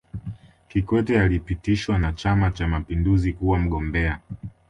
kikwete alipitishwa na chama cha mapinduzi kuwa mgombea